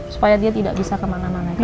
supaya dia tidak bisa kemana mana